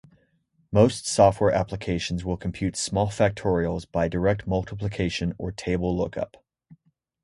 Most software applications will compute small factorials by direct multiplication or table lookup.